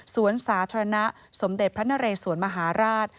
สวนสาธารณะสมเด็จพระนเรสวนมหาราช